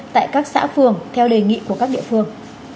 tại các xã phường theo đề nghị của các địa phương